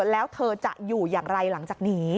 แล้วเธอจะอยู่อย่างไรหลังจากนี้